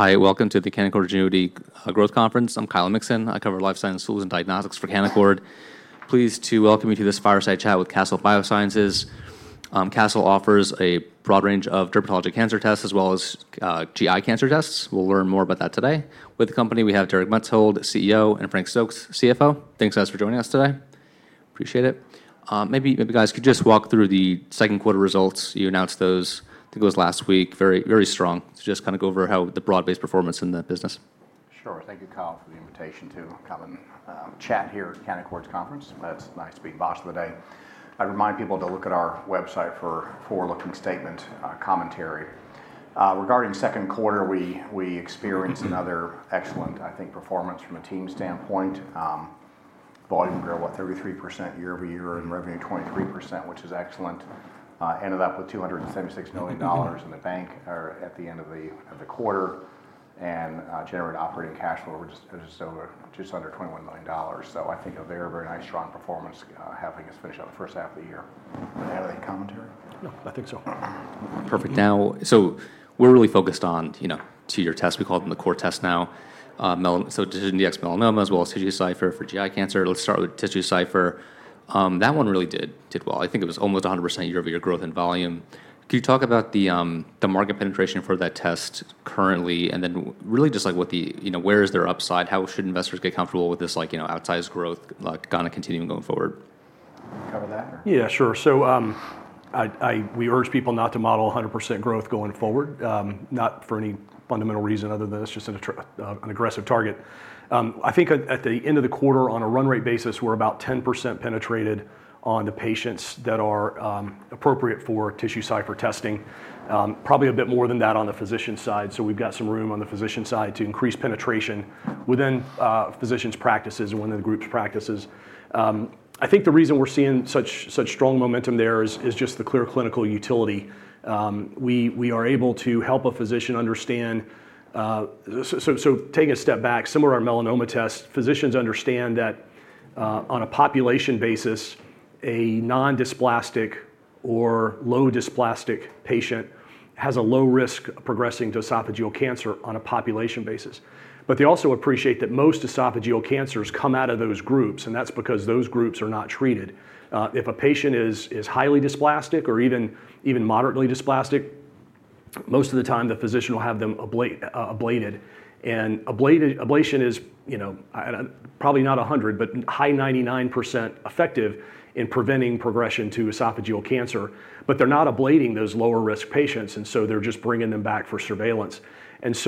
Hi, welcome to the Canaccord Genuity Growth Conference. I'm Kyle Mixon. I cover lifestyle, tools, and diagnostics for Canaccord. Pleased to welcome you to this fireside chat with Castle Biosciences. Castle offers a broad range of dermatology cancer tests as well as GI cancer tests. We'll learn more about that today. With the company, we have Derek Maetzold, CEO, and Frank Stokes, CFO. Thanks to you for joining us today. Appreciate it. Maybe you guys could just walk through the second quarter results. You announced those, I think it was last week. Very, very strong. Just kind of go over how the broad-based performance in the business. Sure. Thank you, Kyle, for the invitation to come and chat here at Canaccord Genuity's conference. It's nice to be the boss of the day. I'd remind people to look at our website for a forward-looking statement commentary. Regarding the second quarter, we experienced another excellent, I think, performance from a team standpoint. Volume grew 33% year over year and revenue 23%, which is excellent. Ended up with $276 million in the bank at the end of the quarter and generated operating cash flow of just under $21 million. I think a very, very nice strong performance having us finish out the first half of the year. Did I add any commentary? No, I think so. Perfect. Now, we're really focused on, you know, two-year tests. We call them the core tests now. So the DecisionDx-Melanoma as well as TissueCypher for GI cancer. Let's start with TissueCypher. That one really did well. I think it was almost 100% year over year growth in volume. Can you talk about the market penetration for that test currently? Where is their upside? How should investors get comfortable with this, like, you know, outsized growth, like kind of continuing going forward? Cover that. Yeah, sure. We urge people not to model 100% growth going forward, not for any fundamental reason other than it's just an aggressive target. I think at the end of the quarter, on a run rate basis, we're about 10% penetrated on the patients that are appropriate for TissueCypher testing, probably a bit more than that on the physician side. We've got some room on the physician side to increase penetration within physicians' practices and within the group's practices. I think the reason we're seeing such strong momentum there is just the clear clinical utility. We are able to help a physician understand. Taking a step back, similar to our melanoma test, physicians understand that on a population basis, a non-dysplastic or low dysplastic patient has a low risk of progressing to esophageal cancer on a population basis. They also appreciate that most esophageal cancers come out of those groups, and that's because those groups are not treated. If a patient is highly dysplastic or even moderately dysplastic, most of the time the physician will have them ablated. Ablation is, you know, probably not 100%, but high 99% effective in preventing progression to esophageal cancer. They're not ablating those lower risk patients, and they're just bringing them back for surveillance. It's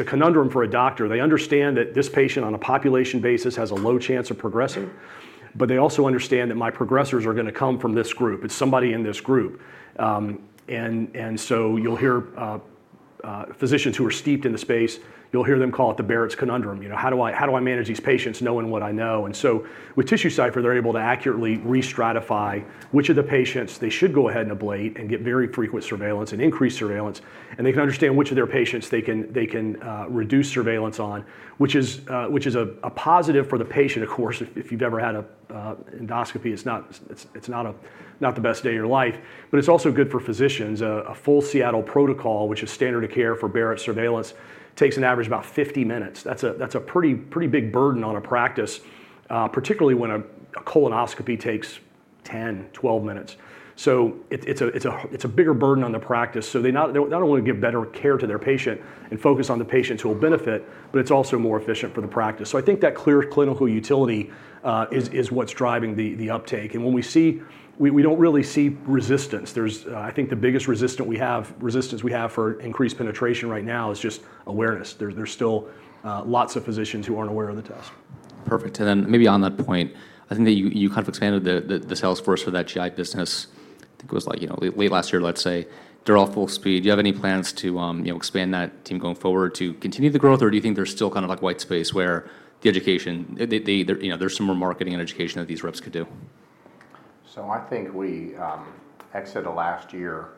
a conundrum for a doctor. They understand that this patient on a population basis has a low chance of progressing, but they also understand that my progressors are going to come from this group. It's somebody in this group. You'll hear physicians who are steeped in the space, you'll hear them call it the Barrett's conundrum. How do I manage these patients knowing what I know? With TissueCypher, they're able to accurately re-stratify which of the patients they should go ahead and ablate and get very frequent surveillance and increase surveillance. They can understand which of their patients they can reduce surveillance on, which is a positive for the patient, of course, if you've ever had an endoscopy. It's not the best day of your life, but it's also good for physicians. A full Seattle protocol, which is standard of care for Barrett surveillance, takes an average of about 50 minutes. That's a pretty big burden on a practice, particularly when a colonoscopy takes 10, 12 minutes. It's a bigger burden on the practice. They not only give better care to their patient and focus on the patients who will benefit, but it's also more efficient for the practice. I think that clear clinical utility is what's driving the uptake. We don't really see resistance. I think the biggest resistance we have for increased penetration right now is just awareness. There's still lots of physicians who aren't aware of the test. Perfect. Maybe on that point, I think that you kind of expanded the sales force for that GI business. It was, like, you know, late last year, let's say, they're all full speed. Do you have any plans to, you know, expand that team going forward to continue the growth? Do you think there's still kind of like white space where the education, you know, there's some more marketing and education that these reps could do? I think we exited last year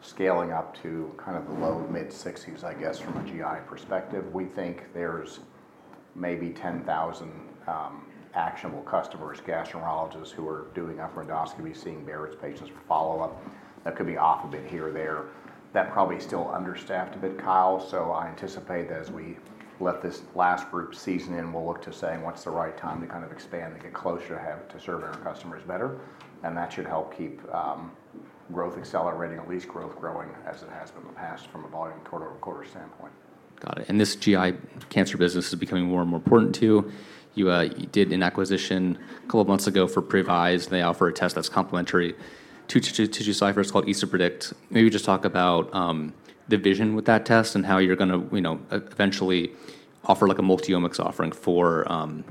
scaling up to kind of the low mid-sixties, I guess, from a GI perspective. We think there's maybe 10,000 actionable customers, gastroenterologists who are doing upper endoscopies, seeing Barrett's patients, follow them. That could be off a bit here or there. That probably is still understaffed a bit, Kyle. I anticipate that as we let this last group season in, we'll look to saying what's the right time to kind of expand and get closer to serving our customers better. That should help keep growth accelerating, at least growth growing as it has been in the past from a volume quarter-to-quarter standpoint. Got it. This GI cancer business is becoming more and more important too. You did an acquisition a couple of months ago for Previse. They offer a test that's complementary to TissueCypher. It's called Esopredict. Maybe just talk about the vision with that test and how you're going to eventually offer like a multi-omics offering for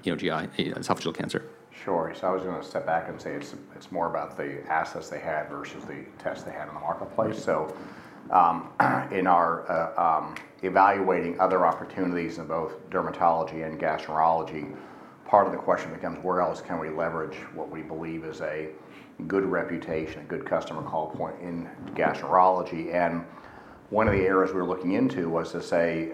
GI esophageal cancer. Sure. I was going to step back and say it's more about the assets they had versus the tests they had in the marketplace. In our evaluating other opportunities in both dermatology and gastroenterology, part of the question becomes where else can we leverage what we believe is a good reputation, a good customer call point in gastroenterology? One of the areas we were looking into was to say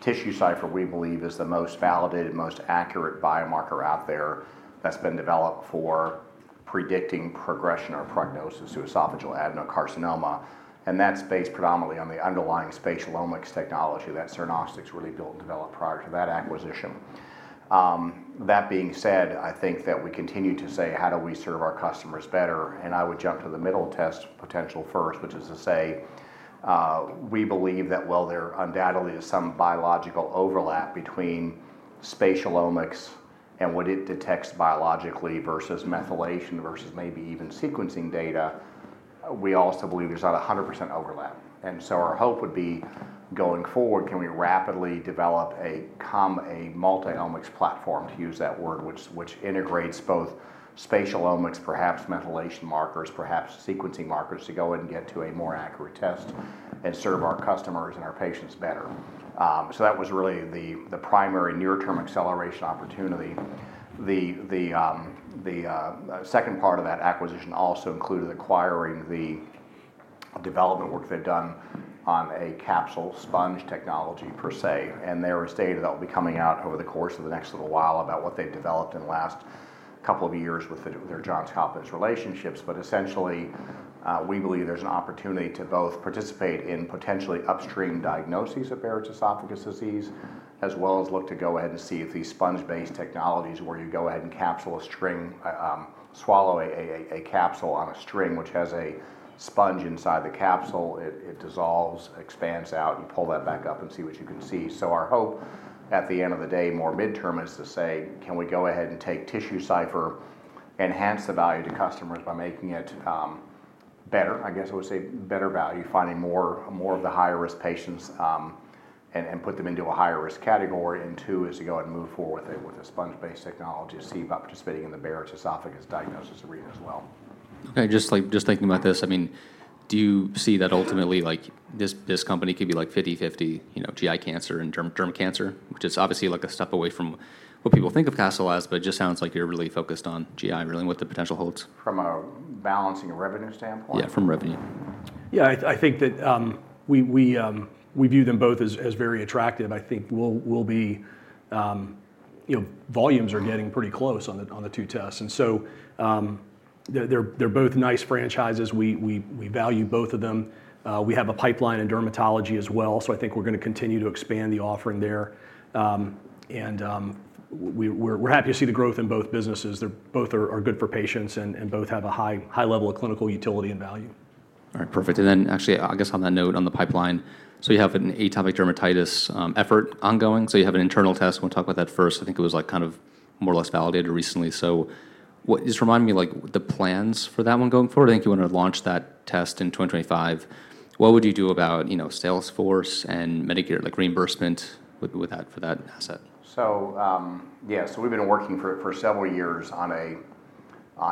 TissueCypher, we believe, is the most validated, most accurate biomarker out there that's been developed for predicting progression or prognosis to esophageal adenocarcinoma. That's based predominantly on the underlying spatial omics technology that Cernostics really built and developed prior to that acquisition. That being said, I think that we continue to say how do we serve our customers better? I would jump to the middle test potential first, which is to say we believe that while there undoubtedly is some biological overlap between spatial omics and what it detects biologically versus methylation versus maybe even sequencing data, we also believe there's not a 100% overlap. Our hope would be going forward, can we rapidly develop a multi-omics platform, to use that word, which integrates both spatial omics, perhaps methylation markers, perhaps sequencing markers to go and get to a more accurate test and serve our customers and our patients better? That was really the primary near-term acceleration opportunity. The second part of that acquisition also included acquiring the development work they've done on a capsule sponge technology per se. There is data that will be coming out over the course of the next little while about what they've developed in the last couple of years with their Johns Hopkins relationships. Essentially, we believe there's an opportunity to both participate in potentially upstream diagnoses of Barrett's esophagus disease, as well as look to go ahead and see if these sponge-based technologies where you go ahead and capsule a string, swallow a capsule on a string which has a sponge inside the capsule, it dissolves, expands out, and you pull that back up and see what you can see. Our hope at the end of the day, more midterm, is to say, can we go ahead and take TissueCypher, enhance the value to customers by making it better? I guess I would say better value, finding more of the higher risk patients and put them into a higher risk category. Two is to go and move forward with a sponge-based technology to see about participating in the Barrett's esophagus diagnosis arena. Okay. Just thinking about this, I mean, do you see that ultimately like this company can be like 50/50, you know, GI cancer and derm cancer, which is obviously like a step away from what people think of Castle as, but it just sounds like you're really focused on GI and really what the potential holds. From a balancing a revenue standpoint? Yeah, from revenue. Yeah, I think that we view them both as very attractive. I think we'll be, you know, volumes are getting pretty close on the two tests, and they're both nice franchises. We value both of them. We have a pipeline in dermatology as well. I think we're going to continue to expand the offering there. We're happy to see the growth in both businesses. Both are good for patients and both have a high level of clinical utility and value. All right, perfect. On that note on the pipeline, you have an atopic dermatitis effort ongoing. You have an internal test. We'll talk about that first. I think it was kind of more or less validated recently. Just remind me like the plans for that one going forward. I think you want to launch that test in 2025. What would you do about, you know, sales force and Medicare reimbursement with that for that asset? We've been working for several years on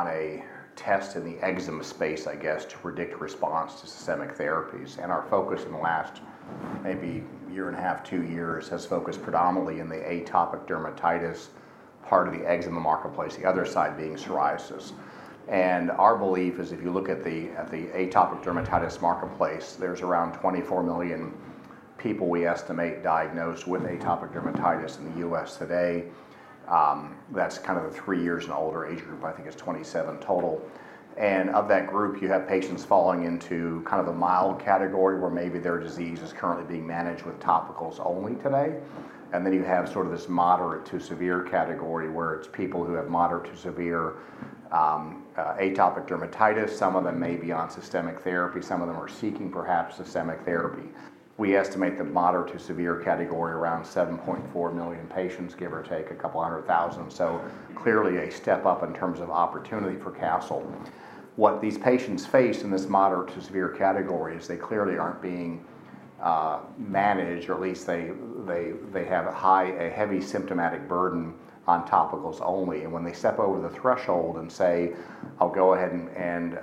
a test in the eczema space, I guess, to predict response to systemic therapies. Our focus in the last, maybe year and a half, two years, has focused predominantly in the atopic dermatitis part of the eczema marketplace, the other side being psoriasis. Our belief is if you look at the atopic dermatitis marketplace, there's around 24 million people we estimate diagnosed with atopic dermatitis in the U.S. today. That's kind of the three years and older age group. I think it's 27 million total. Of that group, you have patients falling into kind of the mild category where maybe their disease is currently being managed with topicals only today. Then you have sort of this moderate to severe category where it's people who have moderate to severe atopic dermatitis. Some of them may be on systemic therapy. Some of them are seeking perhaps systemic therapy. We estimate the moderate to severe category around 7.4 million patients, give or take a couple hundred thousand. Clearly a step up in terms of opportunity for CastlWhat these patients face in this moderate to severe category is they clearly aren't being managed, or at least they have a high, a heavy symptomatic burden on top of those only. When they step over the threshold and say, I'll go ahead and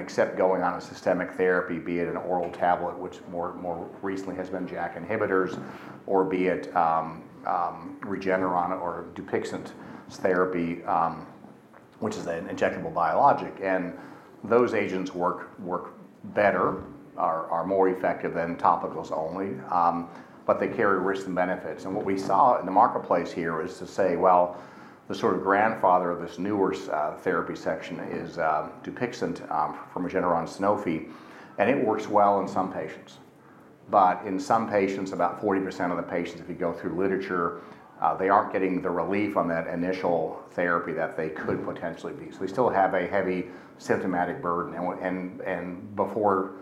accept going on a systemic therapy, be it an oral tablet, which more recently has been JAK inhibitors, or be it Regeneron or Dupixent therapy, which is an injectable biologic. Those agents work better, are more effective than topicals only, but they carry risks and benefits. What we saw in the marketplace here is to say the sort of grandfather of this newer therapy section is Dupixent from Regeneron and Sanofi, and it works well in some patients. In some patients, about 40% of the patients, if you go through literature, they aren't getting the relief on that initial therapy that they could potentially be. We still have a heavy symptomatic burden. Before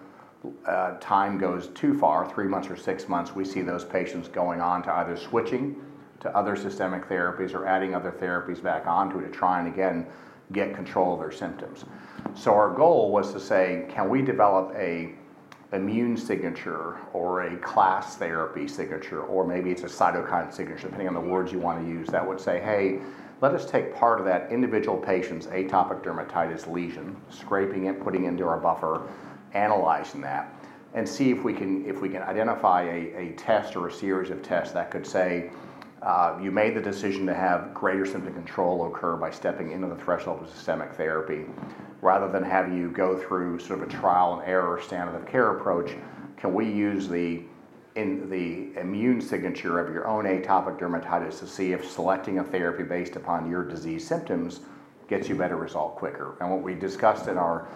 time goes too far, three months or six months, we see those patients going on to either switching to other systemic therapies or adding other therapies back onto it to try and again get control of their symptoms. Our goal was to say, can we develop an immune signature or a class therapy signature, or maybe it's a cytokine signature, depending on the words you want to use, that would say, hey, let us take part of that individual patient's atopic dermatitis lesion, scraping it, putting it into our buffer, analyzing that, and see if we can identify a test or a series of tests that could say, you made the decision to have greater symptom control occur by stepping into the threshold of systemic therapy, rather than have you go through sort of a trial and error standard of care approach. Can we use the immune signature of your own atopic dermatitis to see if selecting a therapy based upon your disease symptoms gets you better result quicker? What we discussed in our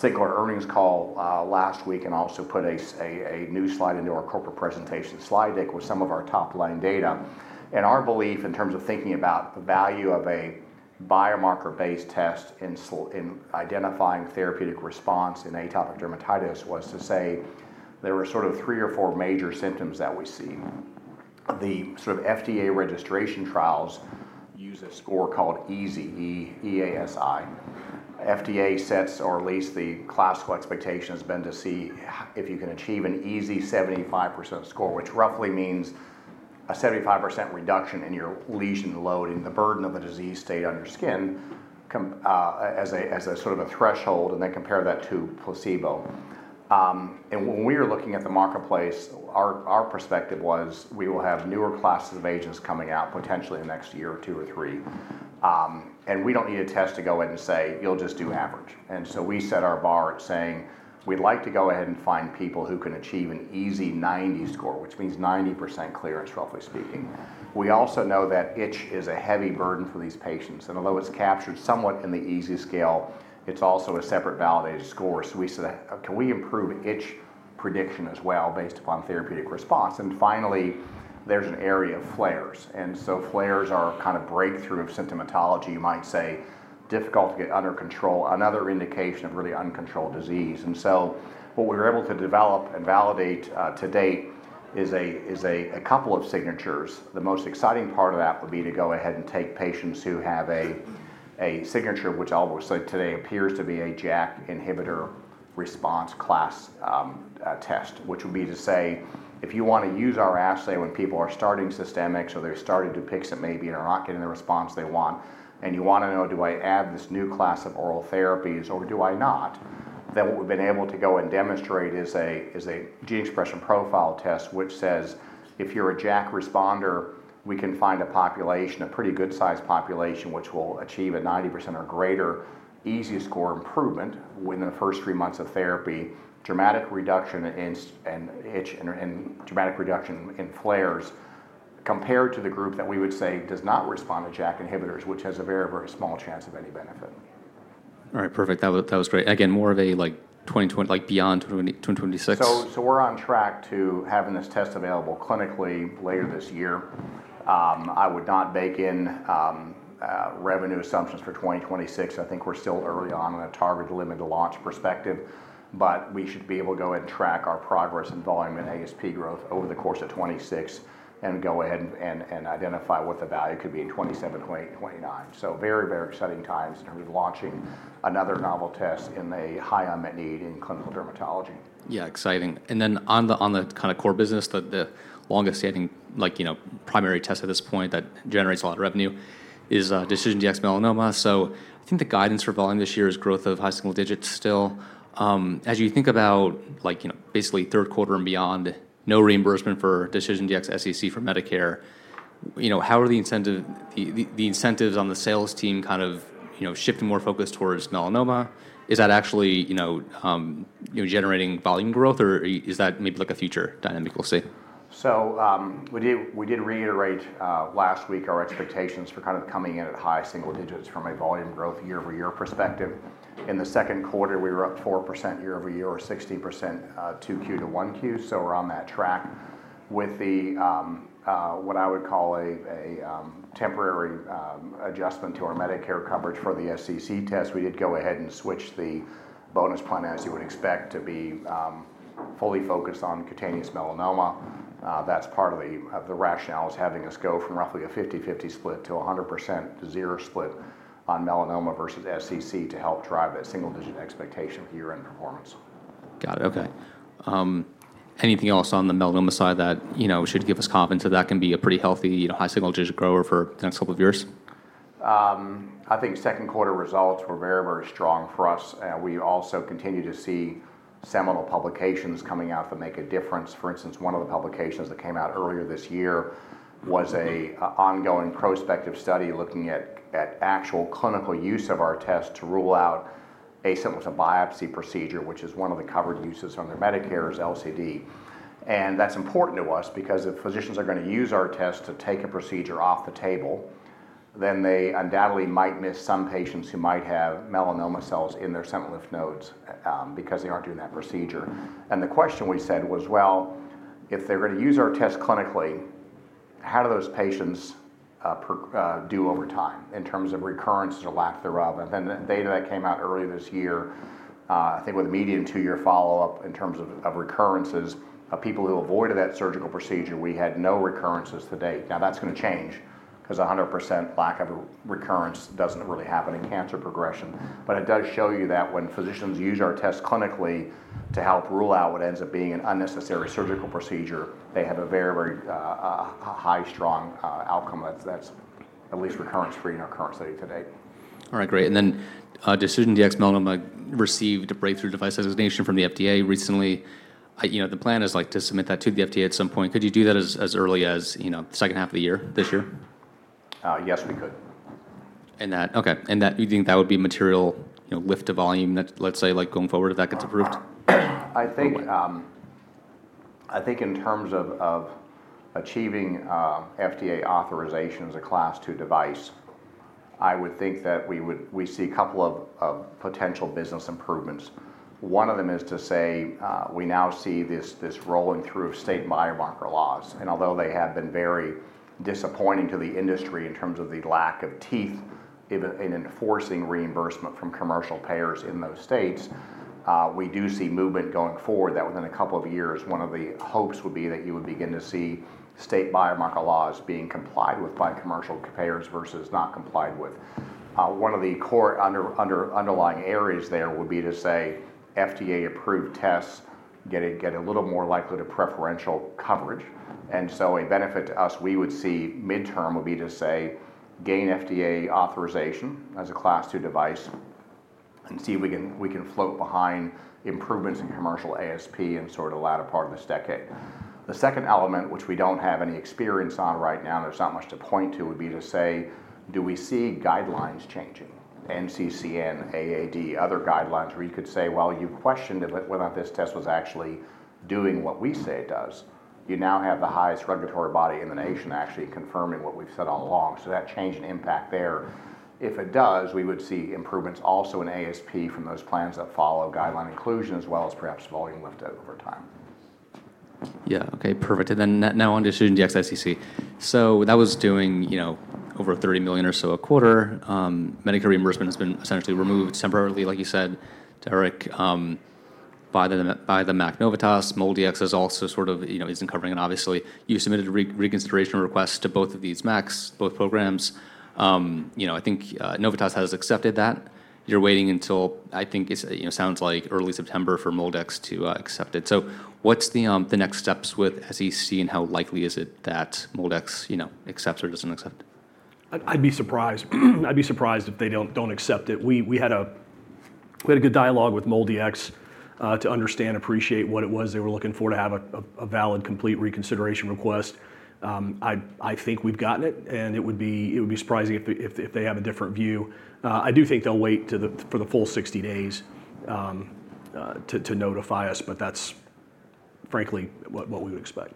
Cinquan earnings call last week also put a new slide into our corporate presentation slide deck with some of our top line data. Our belief in terms of thinking about the value of a biomarker-based test in identifying therapeutic response in atopic dermatitis was to say there were sort of three or four major symptoms that we see. The FDA registration trials use a score called EASI. FDA sets, or at least the classical expectation has been to see if you can achieve an EASI 75% score, which roughly means a 75% reduction in your lesion load and the burden of the disease state on your skin as a sort of a threshold, and then compare that to placebo. When we were looking at the marketplace, our perspective was we will have newer classes of agents coming out potentially in the next year or two or three. We don't need a test to go in and say, you'll just do average. We set our bar at saying we'd like to go ahead and find people who can achieve an EASI 90% score, which means 90% clearance, roughly speaking. We also know that itch is a heavy burden for these patients. Although it's captured somewhat in the EASI scale, it's also a separate validated score. We said, can we improve itch prediction as well based upon therapeutic response? Finally, there's an area of flares. Flares are kind of breakthrough of symptomatology. You might say difficult to get under control, another indication of really uncontrolled disease. What we were able to develop and validate today is a couple of signatures. The most exciting part of that would be to go ahead and take patients who have a signature, which I will say today appears to be a JAK inhibitor response class test, which would be to say if you want to use our assay when people are starting systemics or they're starting Dupixent, maybe they're not getting the response they want, and you want to know, do I add this new class of oral therapies or do I not? What we've been able to go and demonstrate is a gene expression profile test, which says if you're a JAK responder, we can find a population, a pretty good sized population, which will achieve a 90% or greater EASI score improvement within the first three months of therapy, dramatic reduction in itch, and dramatic reduction in flares compared to the group that we would say does not respond to JAK inhibitors, which has a very, very small chance of any benefit. All right, perfect. That was great. Again, more of a like 2020, like beyond 2026. We're on track to having this test available clinically later this year. I would not bake in revenue assumptions for 2026. I think we're still early on in a targeted limited launch perspective, but we should be able to go ahead and track our progress in volume and ASP growth over the course of 2026 and go ahead and identify what the value could be in 2027, 2029. Very, very exciting times in terms of launching another novel test in the high unmet need in clinical dermatology. Yeah, exciting. On the kind of core business, the longest standing, like, you know, primary test at this point that generates a lot of revenue is DecisionDx-Melanoma. I think the guidance for volume this year is growth of high single digits still. As you think about, like, you know, basically third quarter and beyond, no reimbursement for DecisionDx-SCC for Medicare, you know, how are the incentives on the sales team kind of, you know, shifting more focus towards melanoma? Is that actually, you know, generating volume growth or is that maybe like a future dynamic we'll see? We did reiterate last week our expectations for kind of coming in at high single digits from a volume growth year-over-year perspective. In the second quarter, we were up 4% year-over-year or 60% 2Q to 1Q. We're on that track. With what I would call a temporary adjustment to our Medicare coverage for the SCC test, we did go ahead and switch the bonus plan, as you would expect, to be fully focused on cutaneous melanoma. That's part of the rationale, having us go from roughly a 50-50 split to a 100% zero split on melanoma versus SCC to help drive that single-digit expectation of year-end performance. Got it. Okay. Anything else on the melanoma side that, you know, should give us confidence that that can be a pretty healthy, you know, high single-digit grower for the next couple of years? I think your second quarter results were very, very strong for us. We also continue to see seminal publications coming out that make a difference. For instance, one of the publications that came out earlier this year was an ongoing prospective study looking at actual clinical use of our test to rule out asymptomatic biopsy procedure, which is one of the covered uses under Medicare's LCD. That's important to us because if physicians are going to use our test to take a procedure off the table, they undoubtedly might miss some patients who might have melanoma cells in their sentinel lymph nodes because they aren't doing that procedure. The question we said was, if they're going to use our test clinically, how do those patients do over time in terms of recurrences or lack thereof? The data that came out earlier this year, I think with a median two-year follow-up in terms of recurrences of people who avoided that surgical procedure, we had no recurrences to date. That's going to change because 100% lack of recurrence doesn't really happen in cancer progression. It does show you that when physicians use our test clinically to help rule out what ends up being an unnecessary surgical procedure, they have a very, very high strong outcome that's at least recurrence-free in our current study to date. All right, great. DecisionDx-Melanoma received the FDA breakthrough device designation recently. You know, the plan is like to submit that to the FDA at some point. Could you do that as early as, you know, the second half of the year this year? Yes, we could. Do you think that would be a material lift to volume, going forward, if that gets approved? I think in terms of achieving FDA authorization as a class two device, I would think that we would see a couple of potential business improvements. One of them is to say we now see this rolling through of state biomarker laws. Although they have been very disappointing to the industry in terms of the lack of teeth in enforcing reimbursement from commercial payers in those states, we do see movement going forward that within a couple of years, one of the hopes would be that you would begin to see state biomarker laws being complied with by commercial payers versus not complied with. One of the core underlying areas there would be to say FDA-approved tests get a little more likely to preferential coverage. A benefit to us we would see midterm would be to say gain FDA authorization as a class two device and see if we can float behind improvements in commercial ASP in sort of the latter part of this decade. The second element, which we don't have any experience on right now, and there's not much to point to, would be to say, do we see guidelines changing? NCCN, AAD, other guidelines where you could say, you questioned whether or not this test was actually doing what we say it does. You now have the highest regulatory body in the nation actually confirming what we've said all along. That change in impact there, if it does, we would see improvements also in ASP from those plans that follow guideline inclusion as well as perhaps volume lift over time. Yeah, okay, perfect. Now on DecisionDx-SCC. That was doing over $30 million or so a quarter. Medicare reimbursement has been essentially removed temporarily, like you said, Derek, by the MAC Novitas. MOLDx also sort of isn't covering it. Obviously, you submitted reconsideration requests to both of these MACs, both programs. I think Novitas has accepted that. You're waiting until, I think it sounds like early September for MOLDx to accept it. What's the next steps with SCC and how likely is it that MOLDx accepts or doesn't accept? I'd be surprised if they don't accept it. We had a good dialogue with MOLDx to understand and appreciate what it was they were looking for to have a valid, complete reconsideration request. I think we've gotten it, and it would be surprising if they have a different view. I do think they'll wait for the full 60 days to notify us, but that's frankly what we would expect.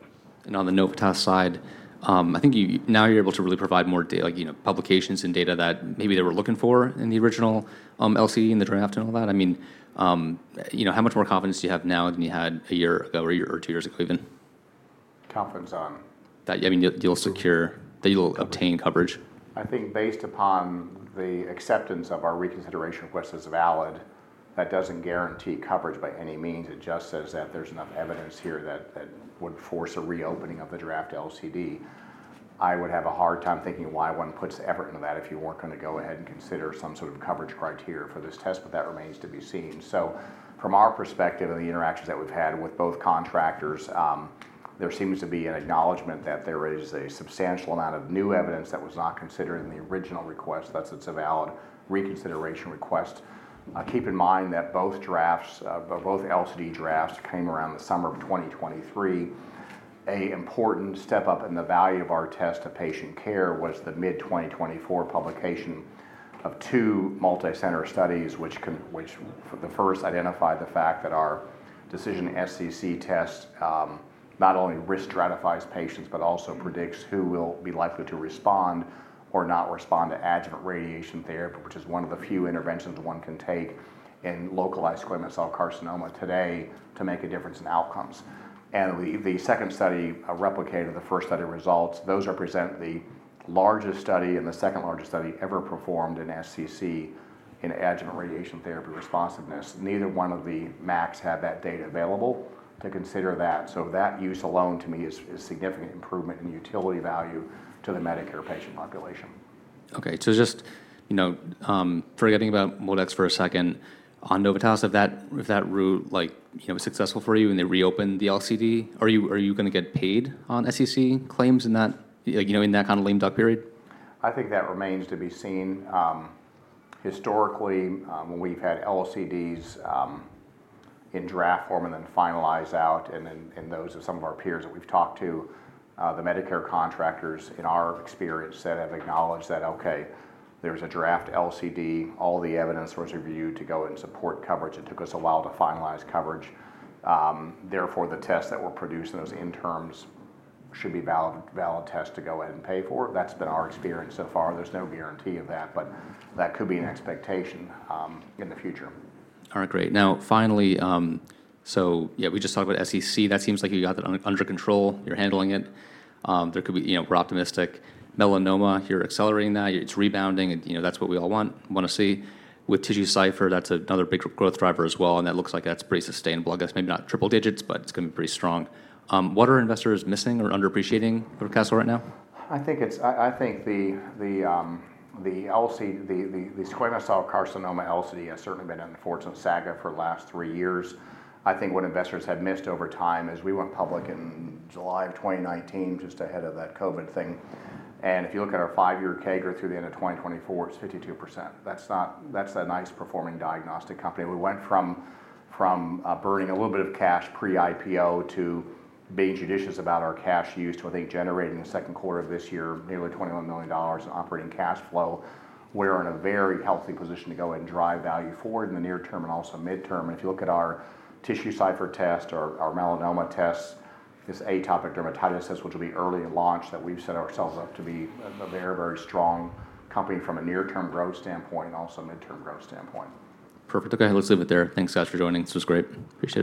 On the MAC Novitas side, I think now you're able to really provide more data, like publications and data that maybe they were looking for in the original LCD and the draft and all that. I mean, how much more confidence do you have now than you had a year ago or two years ago? Confidence on? You'll obtain coverage. I think based upon the acceptance of our reconsideration request as valid, that doesn't guarantee coverage by any means. It just says that there's enough evidence here that would force a reopening of the draft LCD. I would have a hard time thinking why one puts effort into that if you weren't going to go ahead and consider some sort of coverage criteria for this test, but that remains to be seen. From our perspective and the interactions that we've had with both contractors, there seems to be an acknowledgement that there is a substantial amount of new evidence that was not considered in the original request. That's a valid reconsideration request. Keep in mind that both drafts, both LCD drafts came around the summer of 2023. An important step up in the value of our test to patient care was the mid-2024 publication of two multicenter studies, which the first identified the fact that our DecisionDx-SCC test not only risk stratifies patients, but also predicts who will be likely to respond or not respond to adjuvant radiation therapy, which is one of the few interventions one can take in localized squamous cell carcinoma today to make a difference in outcomes. The second study replicated the first study results. Those represent the largest study and the second largest study ever performed in SCC in adjuvant radiation therapy responsiveness. Neither one of the MAC Novitas had that data available to consider that. That use alone to me is a significant improvement in utility value to the Medicare patient population. Okay, just forgetting about MOLDx for a second, on MAC Novitas, if that route, you know, was successful for you and they reopened the LCD, are you going to get paid on SCC claims in that kind of lame duck period? I think that remains to be seen. Historically, when we've had LCDs in draft form and then finalized out, and those are some of our peers that we've talked to, the Medicare contractors in our experience have acknowledged that, okay, there's a draft LCD, all the evidence was reviewed to go and support coverage. It took us a while to finalize coverage. Therefore, the tests that were produced in those interims should be valid tests to go ahead and pay for. That's been our experience so far. There's no guarantee of that, but that could be an expectation in the future. All right, great. Now finally, we just talked about SCC. That seems like you got that under control. You're handling it. There could be, you know, we're optimistic. Melanoma, you're accelerating that. It's rebounding. You know, that's what we all want to see. With TissueCypher, that's another big growth driver as well. That looks like that's pretty sustainable. I guess maybe not triple digits, but it's going to be pretty strong. What are investors missing or underappreciating for Castle right now? I think the squamous cell carcinoma LCD has certainly been an unfortunate saga for the last three years. I think what investors have missed over time is we went public in July of 2019, just ahead of that COVID thing. If you look at our five-year CAGR through the end of 2024, it's 52%. That's a nice performing diagnostic company. We went from burning a little bit of cash pre-IPO to being judicious about our cash use to generating the second quarter of this year, nearly $21 million in operating cash flow. We're in a very healthy position to go and drive value forward in the near term and also midterm. If you look at our TissueCypher test or our melanoma test, this atopic dermatitis test, which will be early in launch, we've set ourselves up to be a very, very strong company from a near-term growth standpoint and also a midterm growth standpoint. Perfect. Okay, let's leave it there. Thanks, guys, for joining. This was great. Appreciate it.